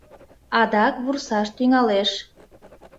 Адак вурсаш тӱҥалеш...